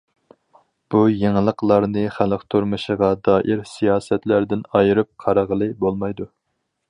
بۇ يېڭىلىقلارنى خەلق تۇرمۇشىغا دائىر سىياسەتلەردىن ئايرىپ قارىغىلى بولمايدۇ.